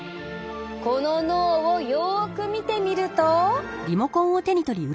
この脳をよく見てみると。